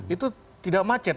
itu tidak macet